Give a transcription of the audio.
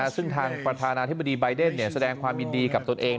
ซึ่งทางประธานาธิบดีใบเดนแสดงความยินดีกับตนเอง